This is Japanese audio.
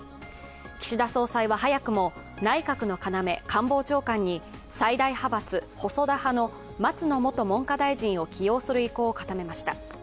岸田総裁は早くも内閣の要、官房長官に最大派閥・細田派の松野元文科大臣を起用する意向を固めました。